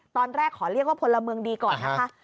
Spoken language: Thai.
ตอนแรกขอเรียกว่าพลเมืองดีก่อนนะคะ